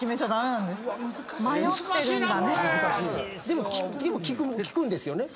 でも聞くんですよね。